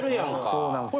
そうなんですよ。